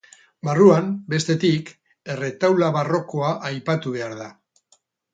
Barruan, bestetik, erretaula barrokoa aipatu behar da.